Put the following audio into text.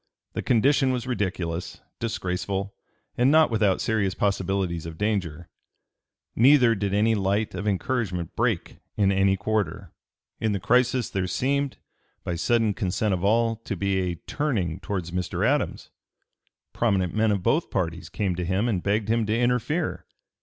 The condition was ridiculous, disgraceful, and not without serious possibilities of danger. Neither did any light of encouragement break in any quarter. In the crisis there seemed, by sudden consent of all, to be a turning towards Mr. Adams. Prominent men of both parties came to him and begged him to interfere.